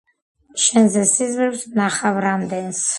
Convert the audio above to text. შენზე სიზმრებს ვნახავ რამდენს